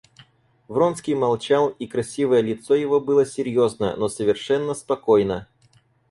Вронский молчал, и красивое лицо его было серьезно, но совершенно спокойно.